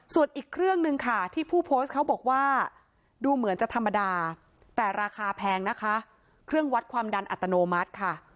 ส่วนอีกเครื่องนึงค่ะที่ผู้โพสต์เขาบอกว่าดูเหมือนจะธรรมดาแต่ราคาแพงนะคะเครื่องวัดความดันอัตโนมัติค่ะ